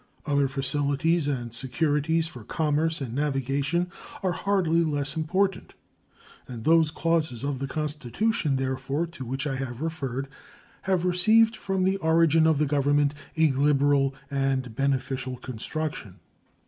Other facilities and securities for commerce and navigation are hardly less important; and those clauses of the Constitution, therefore, to which I have referred have received from the origin of the Government a liberal and beneficial construction.